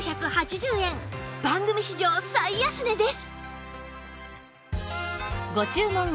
番組史上最安値です！